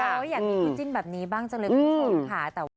อยากมีกุจจิ้นแบบนี้บ้างจังเลยคุณสนค่ะ